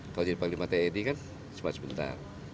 kalau jadi panglima tni kan sempat sebentar